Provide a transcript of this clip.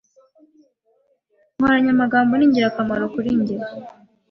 Inkoranyamagambo ni ingirakamaro kuri njye.